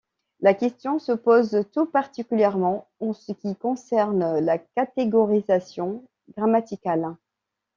La question se pose, tout particulièrement, en ce qui concerne la catégorisation grammaticale.